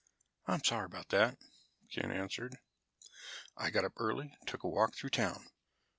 "I'm sorry about that," Ken answered. "I got up early and took a walk through town.